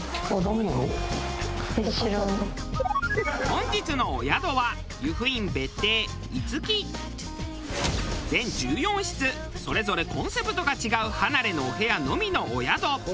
本日のお宿は全１４室それぞれコンセプトが違う離れのお部屋のみのお宿。